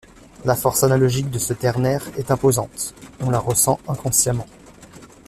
La force analogique de ce ternaire est imposante: on la ressent inconsciemment.